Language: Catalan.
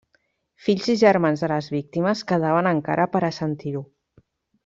Fills i germans de les víctimes quedaven encara per a sentir-ho.